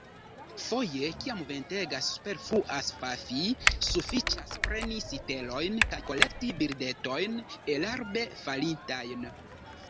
Foje, kiam ventegas, superfluas pafi: sufiĉas preni sitelojn kaj kolekti birdetojn elarbe falintajn.